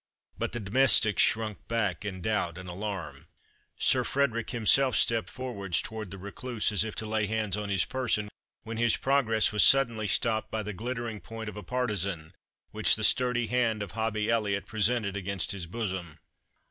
But the domestics shrunk back in doubt and alarm. Sir Frederick himself stepped forward towards the Recluse, as if to lay hands on his person, when his progress was suddenly stopped by the glittering point of a partisan, which the sturdy hand of Hobbie Elliot presented against his bosom.